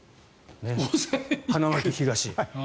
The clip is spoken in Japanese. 花巻東。